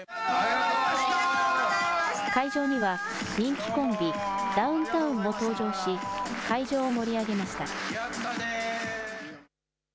会場には人気コンビ、ダウンタウンも登場し、会場を盛り上げました。